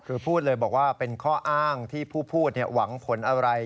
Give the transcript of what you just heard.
คือพูดเลยบอกว่าเป็นข้ออ้างที่ผู้พูดหวังผลอะไร